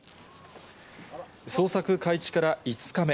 捜索開始から５日目。